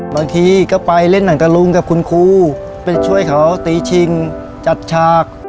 บางทีก็ไปเล่นหนังตะลุงกับคุณครูไปช่วยเขาตีชิงจัดฉาก